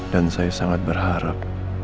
dan saya sangat berharap